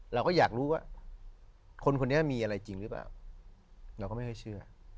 เราก็อยากรู้ว่าคนคนนี้มีอะไรจริงหรือเปล่าเราก็ไม่ค่อยเชื่อ